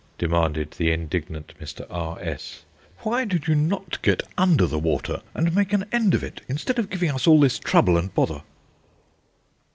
demanded the indignant Mr. R. S . "Why did you not get under the water and make an end of it, instead of giving us all this trouble and bother?"